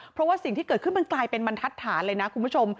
เพราะว่าสิ่งที่เกิดขึ้นมันกลายเป็นบรรทัดฐานเลยนะคุณผู้ชม